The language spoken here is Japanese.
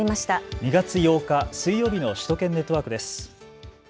２月８日水曜日の首都圏ネットワークです。